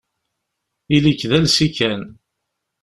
Ili-k d alsi kan.